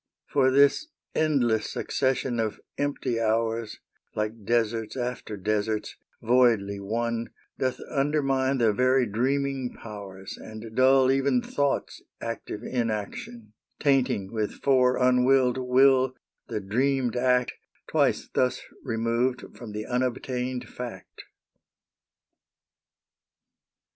For this endless succession of empty hours, Like deserts after deserts, voidly one, Doth undermine the very dreaming powers And dull even thought's active inaction, Tainting with fore unwilled will the dreamed act Twice thus removed from the unobtained fact.